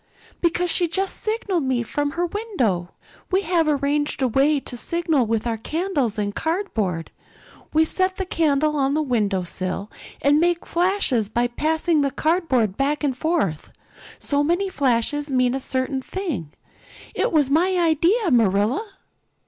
"Because she just signaled to me from her window. We have arranged a way to signal with our candles and cardboard. We set the candle on the window sill and make flashes by passing the cardboard back and forth. So many flashes mean a certain thing. It was my idea, Marilla."